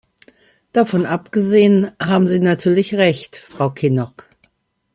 Davon abgesehen, haben Sie natürlich Recht, Frau Kinnock.